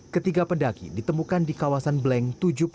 ketiga pendaki ditemukan di kawasan bleng tujuh puluh lima